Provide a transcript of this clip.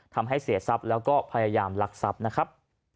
ทำให้เสียทรัพย์แล้วก็พยายามลักทรัพย์นะครับ